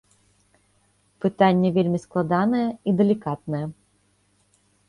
Пытанне вельмі складанае і далікатнае.